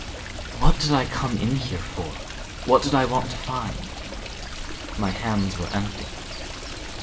"What did I come in here for? What did I want to find?" My hands were empty.